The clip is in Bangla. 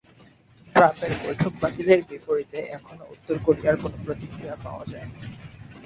ট্রাম্পের বৈঠক বাতিলের বিপরীতে এখনো উত্তর কোরিয়ার কোনো প্রতিক্রিয়া পাওয়া যায়নি।